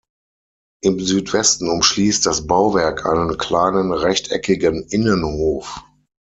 Im Südwesten umschließt das Bauwerk einen kleinen rechteckigen Innenhof.